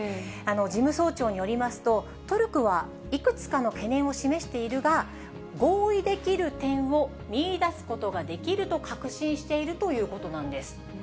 事務総長によりますと、トルコはいくつかの懸念を示しているが、合意できる点を見いだすことができると確信しているということなんです。